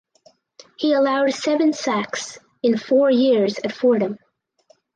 He allowed seven sacks in four years at Fordham.